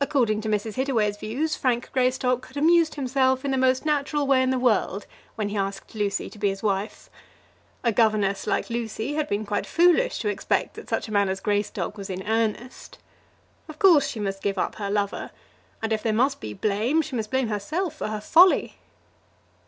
According to Mrs. Hittaway's views Frank Greystock had amused himself in the most natural way in the world when he asked Lucy to be his wife. A governess like Lucy had been quite foolish to expect that such a man as Greystock was in earnest. Of course she must give up her lover; and if there must be blame, she must blame herself for her folly!